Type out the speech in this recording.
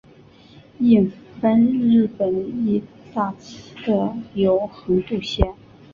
印幡日本医大侧有横渡线。